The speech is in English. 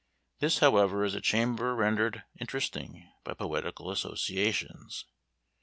This, however, is a chamber rendered interesting by poetical associations.